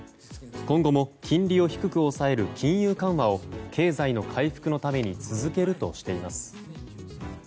今後も金利を低く抑える金融緩和を経済の回復のために続けるとしています。